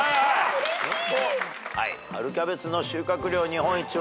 うれしい。